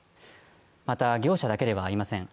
また、業者だけではありません。